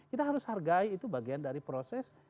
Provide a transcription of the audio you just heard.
kita harus hargai itu bagian dari proses